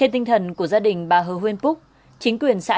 vì vậy gia đình bà nhất quyết muốn giữ nét đặc trưng đó